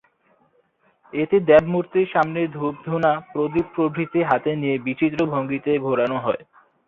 এতে দেবমূর্তির সামনে ধূপধুনা, প্রদীপ প্রভৃতি হাতে নিয়ে বিচিত্র ভঙ্গিতে ঘোরানো হয়।